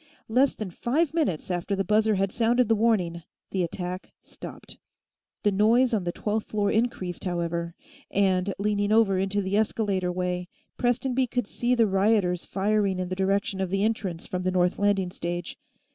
Less than five minutes after the buzzer had sounded the warning, the attack stopped. The noise on the twelfth floor increased, however, and, leaning over into the escalator way, Prestonby could see the rioters firing in the direction of the entrance from the north landing stage.